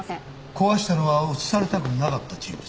壊したのは映されたくなかった人物。